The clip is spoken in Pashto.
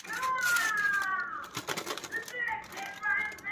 کوم ظالم رانه وژلې؛ د هنر سپینه ډېوه ده.